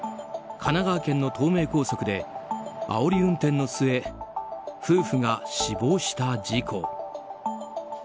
神奈川県の東名高速であおり運転の末夫婦が死亡した事故。